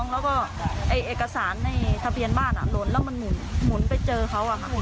แล้วก็เอ่ยเอกสารในทะเบียนบ้านอ่ะหลนแล้วมันหมุนหมุนไปเจอเขาอ่ะค่ะ